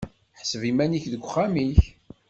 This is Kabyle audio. Ḥseb iman-ik deg uxxam-ik.